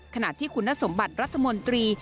ขณะที่คุณสมบัติรัฐมนตรี